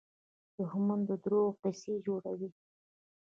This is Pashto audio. دښمن د دروغو قصې جوړوي